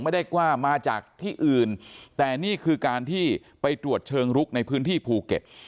ไม่ได้ว่ามาจากที่อื่นแต่นี่คือการที่ไปตรวจเชิงลุกในพื้นที่ภูเก็ต